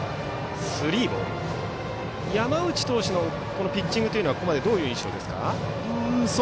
山内投手のピッチングはここまでどういう印象ですか。